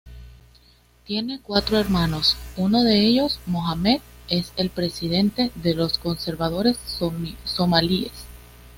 Tiene cuatro hermanos, uno de ellos, Mohamed, es el presidente de los conservadores somalíes.